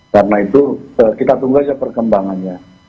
karena itu kita tunggu aja perkembangannya